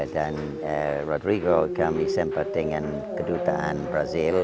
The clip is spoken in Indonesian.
dan rodrigo kami sempat dengan kedutaan brazil